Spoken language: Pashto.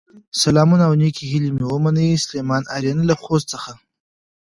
سلامونه او نیکې هیلې مې ومنئ، سليمان آرین له خوست څخه